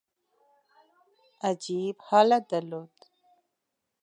عجیب حالت درلود.